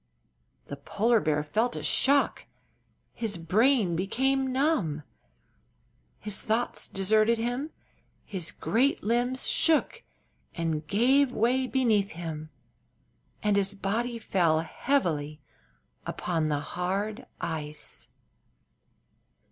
The polar bear felt a shock; his brain became numb; his thoughts deserted him; his great limbs shook and gave way beneath him and his body fell heavily upon the hard ice.